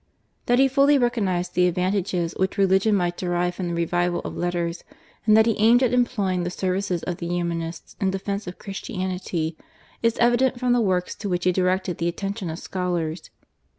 That he fully recognised the advantages which religion might derive from the revival of letters, and that he aimed at employing the services of the Humanists in defence of Christianity is evident from the works to which he directed the attention of scholars.